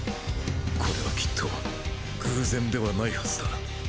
これはきっと偶然ではないハズだ。